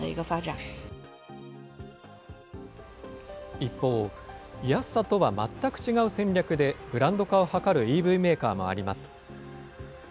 一方、安さとは全く違う戦略でブランド化を図るＥＶメーカーもあります。